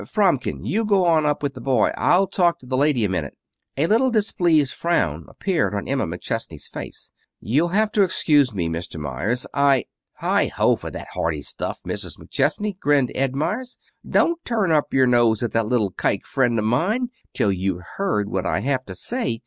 "Fromkin, you go on up with the boy; I'll talk to the lady a minute." A little displeased frown appeared on Emma McChesney's face. "You'll have to excuse me, Mr. Meyers, I " "Heigh ho for that haughty stuff, Mrs. McChesney," grinned Ed Meyers. "Don't turn up your nose at that little Kike friend of mine till you've heard what I have to say.